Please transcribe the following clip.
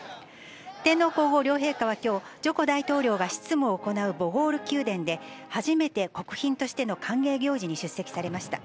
天皇皇后両陛下はきょう、ジョコ大統領が執務を行うボゴール宮殿で、初めて国賓としての歓迎行事に出席されました。